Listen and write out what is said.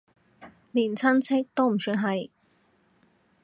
連親戚都唔算係